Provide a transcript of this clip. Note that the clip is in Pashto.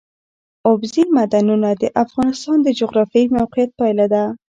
اوبزین معدنونه د افغانستان د جغرافیایي موقیعت پایله ده.